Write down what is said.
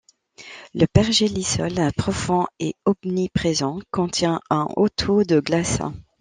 Le pergélisol, profond et omniprésent, contient un haut taux de glace.